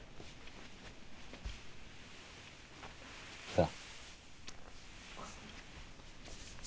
さあ。